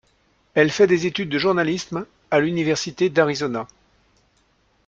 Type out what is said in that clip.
Elle fait des études de journalisme à l'Université d'Arizona.